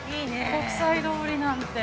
◆国際通りなんて！